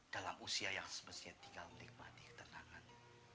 dalam usia yang semestinya tinggal menikmati ketenangan